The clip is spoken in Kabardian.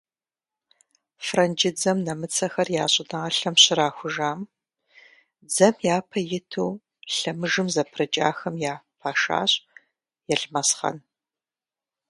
Франджыдзэм нэмыцэхэр я щӀыналъэм щрахужам, дзэм япэ иту лъэмыжым зэпрыкӀахэм я пашащ Елмэсхъан.